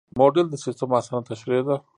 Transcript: موډل د سیسټم اسانه تشریح ده.